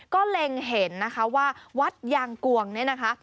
ก็เล็งเห็นว่าวัดยางกวงนี่นะคะ